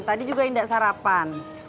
tadi juga indah sarapan